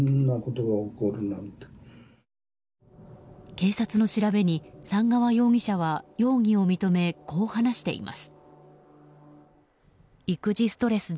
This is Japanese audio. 警察の調べに寒川容疑者は、容疑を認めこう話しています。